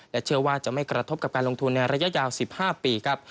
เชื่อว่าจะไม่กระทบกับการลงทุนในระยะยาว๑๕ปีครับ